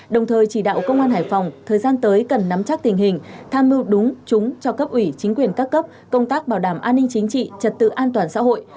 đồng thời chỉ đạo công an hải phòng thời gian tới cần nắm chắc tình hình tham mưu đúng chúng cho cấp ủy chính quyền các cấp công tác bảo đảm an ninh chính trị trật tự an toàn xã hội